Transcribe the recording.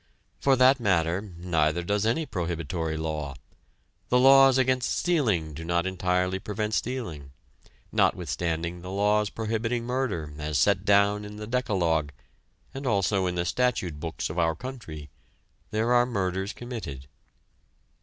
For that matter, neither does any prohibitory law; the laws against stealing do not entirely prevent stealing; notwithstanding the laws prohibiting murder as set down in the Decalogue, and also in the statute books of our country, there are murders committed.